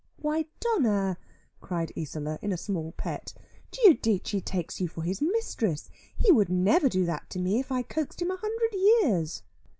"Why, Donna," cried Isola in a small pet, "Giudice takes you for his mistress: he would never do that to me, if I coaxed him a hundred years."